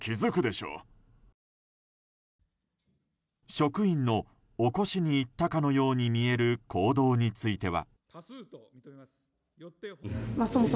職員の起こしに行ったかのように見える行動については。